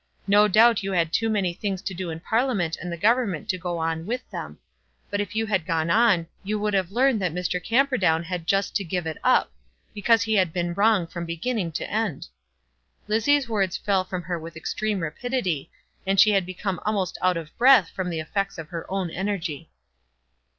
No doubt you had too many things to do in Parliament and the Government to go on with them; but if you had gone on, you would have learned that Mr. Camperdown had just to give it up, because he had been wrong from beginning to end." Lizzie's words fell from her with extreme rapidity, and she had become almost out of breath from the effects of her own energy.